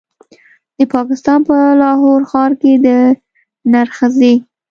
د پاکستان په لاهور ښار کې د نرښځې